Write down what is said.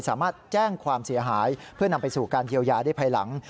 สามารถแจ้งความเสียหายเพื่อนำไปสู่การเยียวยาได้ภายหลัง